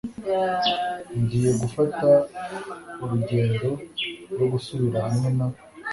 Ngiye gufata urugendo rwo gusubira hamwe na .